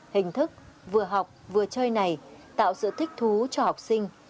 hình thức vừa học vừa chơi này tạo sự thích thú cho học sinh